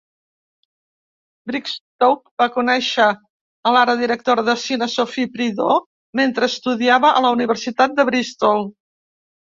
Brigstocke va conèixer a l'ara directora de cine Sophie Prideaux mentre estudiava a la Universitat de Bristol.